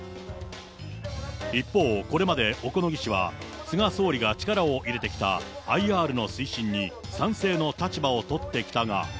一方、これまで小此木氏は、菅総理が力を入れてきたＩＲの推進に賛成の立場を取ってきたが。